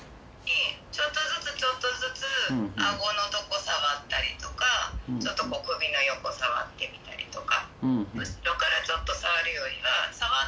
ちょっとずつちょっとずつ顎のとこ触ったりとかちょっとこう首の横触ってみたりとか。